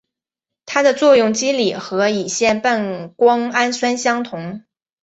它的作用机理和乙酰半胱氨酸相同。